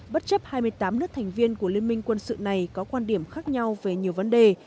bất chấp hai mươi tám nước thành viên của liên minh quân sự này có quan điểm khác nhau về nhiều vấn đề